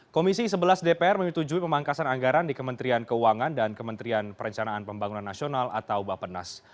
komisi sebelas dpr menyetujui pemangkasan anggaran di kementerian keuangan dan kementerian perencanaan pembangunan nasional atau bapenas